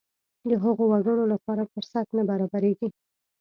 د هغو وګړو لپاره فرصت نه برابرېږي.